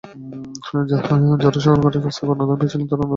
যাঁরা সরকারের কাছ থেকে অনুদান পেয়েছিলেন, তাঁরা অনুদানের টাকা ভেঙে চলছেন।